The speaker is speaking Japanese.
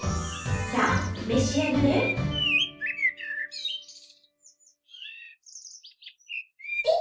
さあ召し上がれピ！